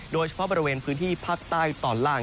โดยเฉพาะบริเวณพื้นที่ภาคใต้ตอนล่าง